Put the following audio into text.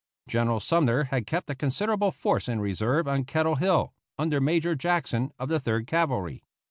General Sumner had kept a considerable force in reserve on Kettle Hill, under Major Jackson, of the Third Cavalry.